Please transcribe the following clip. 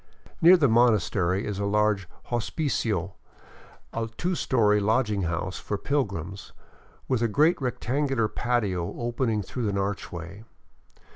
Near the monastery is a large hospicio, a two story lodging house for pilgrims, with a great rectangular patio opening through an archway.